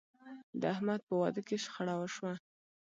د احمد په واده کې شخړه وشوه.